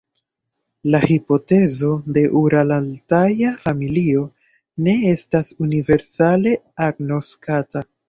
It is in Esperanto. La hipotezo de ural-altaja familio ne estas universale agnoskata.